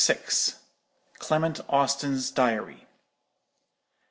CLEMENT AUSTIN'S DIARY.